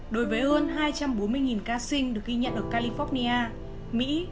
đối với hơn hai trăm bốn mươi ca sinh được ghi nhận ở california mỹ